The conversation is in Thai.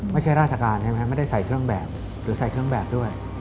ไม่ใช่ราชการใช่ไหมไม่ได้ใส่เครื่องแบบหรือใส่เครื่องแบบด้วย